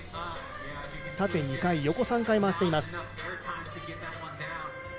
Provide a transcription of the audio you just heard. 縦２回、横３回回しています。